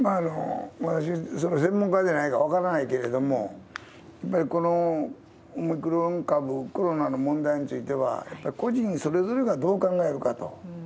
私、専門家じゃないから分からないけれども、やっぱりこのオミクロン株、コロナの問題については、やっぱり個人それぞれがどう考えるかと。